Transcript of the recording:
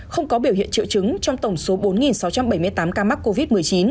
không có biểu hiện triệu chứng trong tổng số bốn sáu trăm bảy mươi tám ca mắc covid một mươi chín